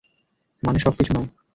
মানে, সব কিছু নয়।